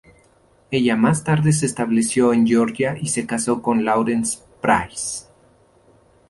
Ella más tarde se estableció en Georgia y se casó con Lawrence Price.